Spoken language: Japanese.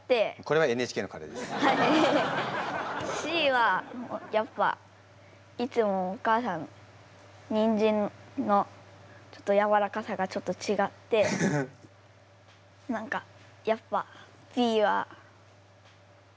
Ｃはやっぱいつもお母さんにんじんのちょっとやわらかさがちょっとちがって何かやっぱＢは愛情がある。